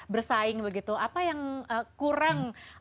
bersaing begitu apa yang kurang